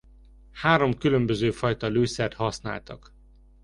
Három különböző fajta lőszert használtak.